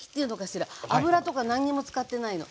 油とか何にも使ってないの。